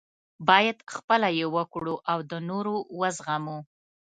باید خپله یې وکړو او د نورو وزغمو.